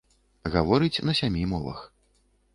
Гаворыць на сямі мовах.